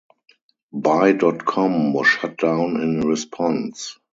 Buy dot com was shut down in response.